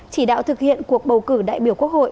chỉ đạo thực hiện cuộc bầu cử đại biểu quốc hội